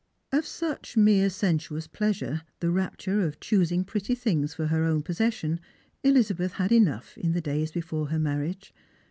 Of such mere sensuous pleasure, the rapture of choosing pretty things for her own possession, Elizabeth had enough in the days before her marriage.